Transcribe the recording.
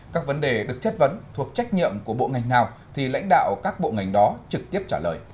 các vấn đề được chất vấn thuộc trách nhiệm của bộ ngành nào thì lãnh đạo các bộ ngành đó trực tiếp trả lời